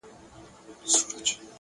صبر د سختو حالاتو توازن دی,